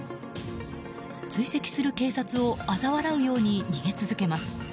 追跡する警察をあざ笑うように逃げ続けます。